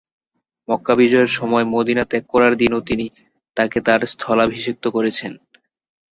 মক্কা বিজয়ের সময় মদীনা ত্যাগ করার দিনও তিনি তাকে তাঁর স্থলাভিষিক্ত করেছেন।